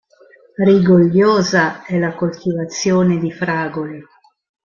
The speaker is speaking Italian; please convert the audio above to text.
Rigogliosa è la coltivazione di fragole.